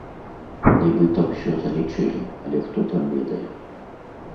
Нібыта, ўсё залічылі, але хто там ведае!